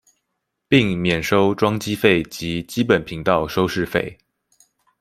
並免收裝機費及基本頻道收視費